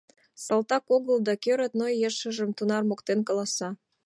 Салтак огыл, да кӧ родной ешыжым тунар моктен каласа!